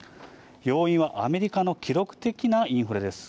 要因はアメリカの記録的なインフレです。